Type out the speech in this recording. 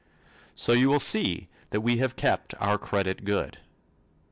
So you will see that we have kept our credit good.